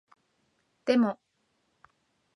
でも